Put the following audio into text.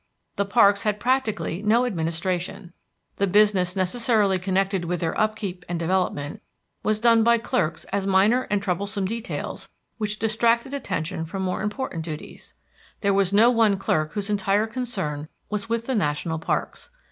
The parks had practically no administration. The business necessarily connected with their upkeep and development was done by clerks as minor and troublesome details which distracted attention from more important duties; there was no one clerk whose entire concern was with the national parks.